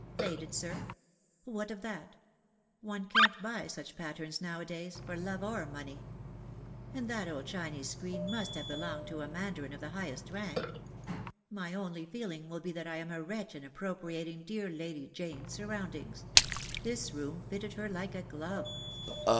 Faded, sir? What of that? One can't buy such patterns now a days, for love or money. And that old Chinese screen must have belonged to a man darin of the highest rank. My only feeling will be that I am a wretch in appropriating dear Lady Jane's sur roundings. This room fitted her like a glove."